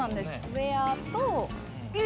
ウエアと。え！